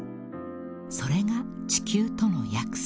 ［それが地球との約束］